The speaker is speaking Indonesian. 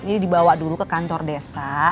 ini dibawa dulu ke kantor desa